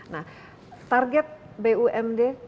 nah target bumd